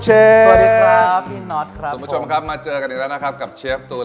คุณผู้ชมครับมาเจอกันอีกแล้วนะครับกับเชฟตูน